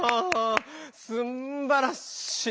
すばらしい！